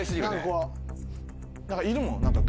何かいるもん。